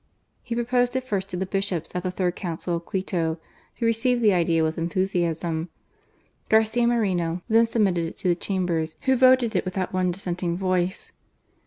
He proposed it first to the Bishops at the third Council of Quito, who received the idea with enthusiasm. Garcia Moreno then submitted it to the Chambers, who voted it without one dissentient voice.